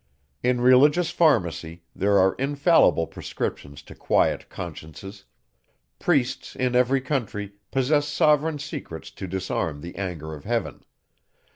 In religious pharmacy, there are infallible prescriptions to quiet consciences: priests, in every country, possess sovereign secrets to disarm the anger of heaven.